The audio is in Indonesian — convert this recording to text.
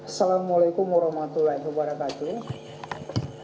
assalamu'alaikum warahmatullahi wabarakatuh